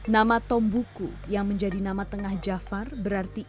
nama tombuku yang menjadi nama tengah jafar berarti